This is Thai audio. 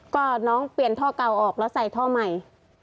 ก็น้องเปลี่ยนท่อเก่าออกแล้วใส่ท่อใหม่